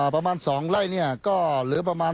ประมาณ๒ไร่เนี่ยก็เหลือประมาณ